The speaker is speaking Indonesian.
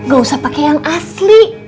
gak usah pakai yang asli